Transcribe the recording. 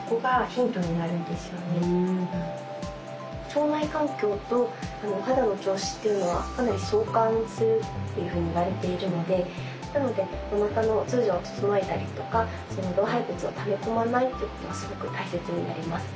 腸内環境と肌の調子っていうのはかなり相関するっていうふうにいわれているのでなのでおなかのお通じを整えたりとか老廃物をため込まないっていうことがすごく大切になります。